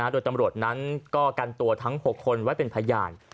โดยตำรวจนั้นก็กันตัวทั้ง๖คนไว้เป็นพยาน